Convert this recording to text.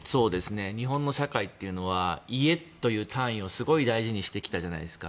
日本の社会というのは家という単位をすごい大事にしてきたじゃないですか。